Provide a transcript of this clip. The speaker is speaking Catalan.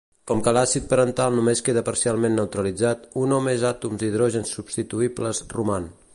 Com que l'àcid parental només queda parcialment neutralitzat, un o més àtoms d'hidrogen substituïbles roman.